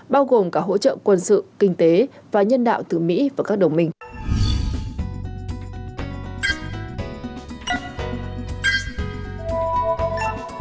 bao gồm cả hỗ trợ quân sự kinh tế và nhân đạo từ mỹ và các đồng minh